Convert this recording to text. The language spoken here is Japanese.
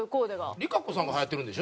ＲＩＫＡＣＯさんがはやってるんでしょ？